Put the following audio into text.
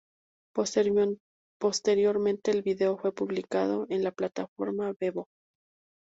Posteriormente el video fue publicado en la plataforma Vevo.